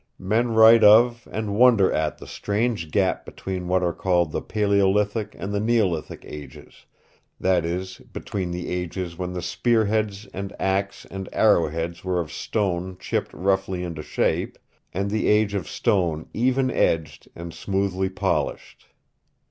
Men write of and wonder at the strange gap between what are called the Paleolithic and the Neolithic ages, that is, between the ages when the spearheads and ax and arrowheads were of stone chipped roughly into shape, and the age of stone even edged and smoothly polished.